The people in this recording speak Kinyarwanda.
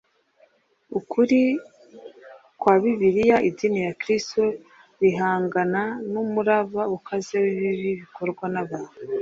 ukuri kwa bibiliya, idini rya kristo, rihangana n’umuraba ukaze w’ibibi bikorwa n’abantu